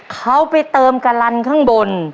เขาไปเติมกะลันข้างบน